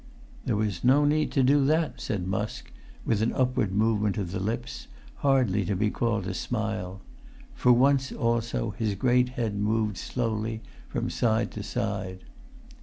"There was no need to do that," said Musk, with an upward movement of the lips, hardly to be called a smile; for once also his great head moved slowly from side to side.